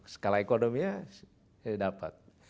skala ekonominya dapat